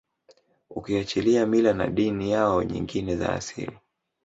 ukiachilia mila na dini yao nyngine za asili